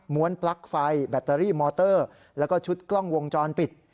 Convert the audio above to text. ้วนปลั๊กไฟแบตเตอรี่มอเตอร์แล้วก็ชุดกล้องวงจรปิด